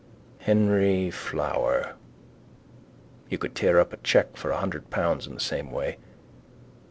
Henry Flower. You could tear up a cheque for a hundred pounds in the same way.